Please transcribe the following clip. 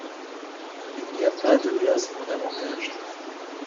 Il n'y a pas de place pour davantage.